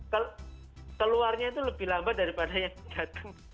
kalau keluarnya itu lebih lambat daripada yang datang